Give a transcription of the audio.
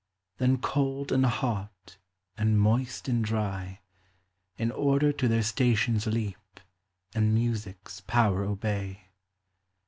Then cold and hot, and moist and dry, In order to their stations leap, And Music's power obey.